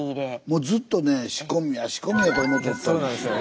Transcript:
もうずっとね仕込みや仕込みやと思ってやってたんですよ。